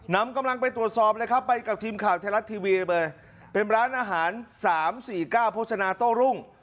นำกำลังไปตรวจสอบเลยครับไปกับทีมข่าวไทยรัฐทีวีเลยเป็นร้านอาหาร๓๔๙โภชนาโต้รุ่ง